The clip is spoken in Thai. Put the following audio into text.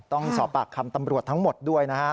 ต้องสอบปากคำตำรวจทั้งหมดด้วยนะฮะ